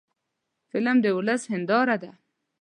فلم د ولس هنداره ده